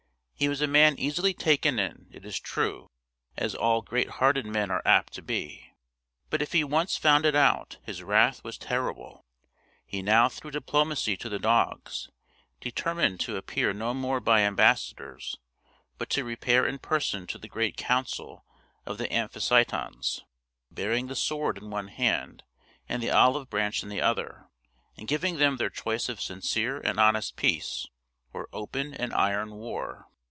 He was a man easily taken in, it is true, as all great hearted men are apt to be; but if he once found it out, his wrath was terrible. He now threw diplomacy to the dogs, determined to appear no more by ambassadors, but to repair in person to the great council of the Amphictyons, bearing the sword in one hand and the olive branch in the other, and giving them their choice of sincere and honest peace, or open and iron war.